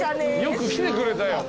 よく来てくれたよ。